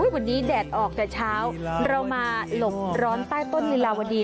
วันนี้แดดออกแต่เช้าเรามาหลบร้อนใต้ต้นลีลาวดี